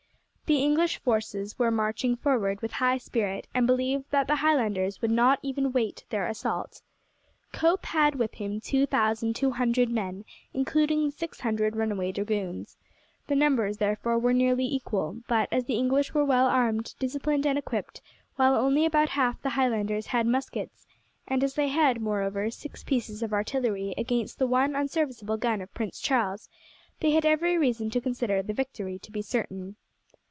The English forces were marching forward with high spirit, and believed that the Highlanders would not even wait their assault. Cope had with him two thousand two hundred men, including the six hundred runaway dragoons. The numbers, therefore, were nearly equal; but as the English were well armed, disciplined, and equipped, while only about half the Highlanders had muskets, and as they had, moreover, six pieces of artillery against the one unserviceable gun of Prince Charles, they had every reason to consider the victory to be certain.